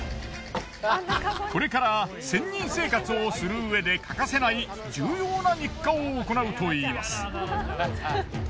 これから仙人生活をするうえで欠かせない重要な日課を行うといいます。